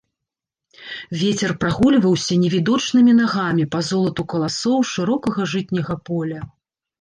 Вецер прагульваўся невідочнымі нагамі па золату каласоў шырокага жытняга поля.